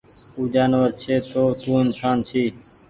او جآنور ڇي توُن تو انسآن ڇي